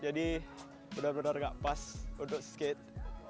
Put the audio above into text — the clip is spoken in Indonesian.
jadi benar benar tidak pas untuk skate